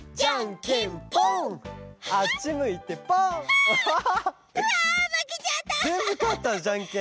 ぜんぶかったじゃんけん。